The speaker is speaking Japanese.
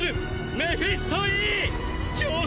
メフィスト・Ｅ。